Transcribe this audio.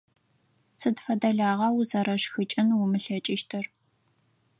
Сыд фэдэ лагъа узэрышхыкӀын умылъэкӀыщтыр?